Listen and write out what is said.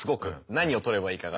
何を撮ればいいかが。